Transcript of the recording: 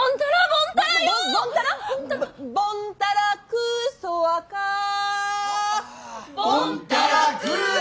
ボンタラクーソワカー。